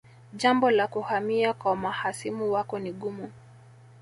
Jambo la kuhamia kwa mahasimu wako ni gumu